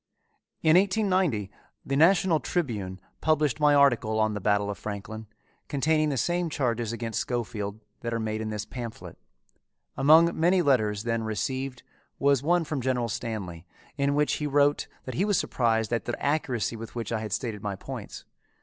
In 1890 the National Tribune published my article on the Battle of Franklin, containing the same charges against Schofield that are made in this pamphlet. Among many letters then received was one from General Stanley in which he wrote that he was surprised at the accuracy with which I had stated my points.